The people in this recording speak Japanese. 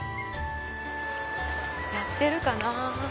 やってるかなぁ。